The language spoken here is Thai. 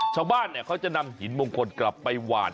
ชาวบ้านเขาจะนำหินมงคลกลับไปหวาน